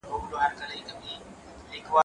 دا واښه له هغه پاکه ده؟